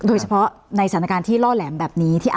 โดยเฉพาะในสถานการณ์ที่ล่อแหลมแบบนี้